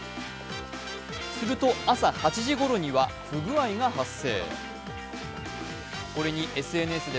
すると朝８時ごろには不具合が発生。